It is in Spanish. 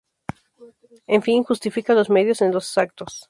El fin justifica los medios en sus actos.